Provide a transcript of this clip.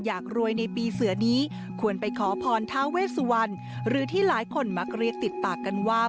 อยากรวยในปีเสือนี้ควรไปขอพรทาเวสวันหรือที่หลายคนมักเรียกติดปากกันว่า